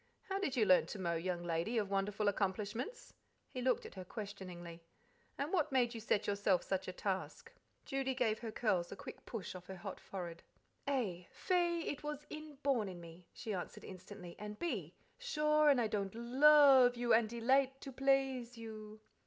How did you learn to mow, young lady of wonderful accomplishments?" (he looked at her questioningly); "and what made you set yourself such a task?" Judy gave her curls a quick push off her hot forehead. "(A) Faix, it was inborn in me," she answered instantly; "and (B) sure, and don't I lo o ove you and delaight to plaize you?"